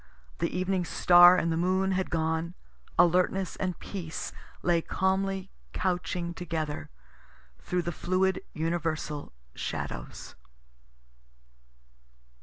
The evening star and the moon had gone. Alertness and peace lay camly couching together through the fluid universal shadows.